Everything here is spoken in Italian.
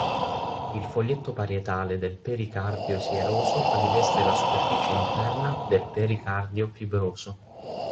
Il foglietto parietale del pericardio sieroso riveste la superficie interna del pericardio fibroso.